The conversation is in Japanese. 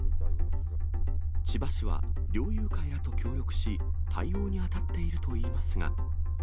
千葉市は、猟友会らと協力し、対応に当たっているといいますが。